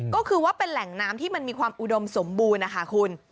ก็คือว่าเป็นแหล่งน้ำที่มันมีความอุดมสมบูรณ์นะคะคุณ